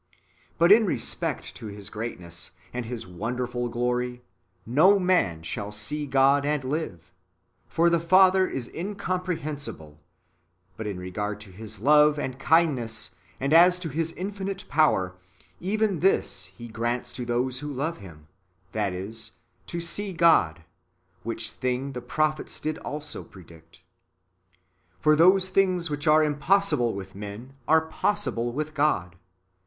"^ But in re spect to His greatness, and His wonderful glory, " no man shall see God and live,"^ for the Father is incomprehensible ; but in regard to His love, and kindness, and as to His infinite power, even this He grants to those vdio love Him, that is, to see God, which thing the prophets did also predict. ^^ For those things that are impossible with men, are possible with God."